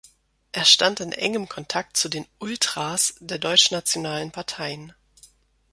Er stand in engem Kontakt zu den „Ultras“ der deutschnationalen Parteien.